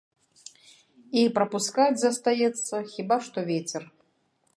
І прапускаць застаецца хіба што вецер.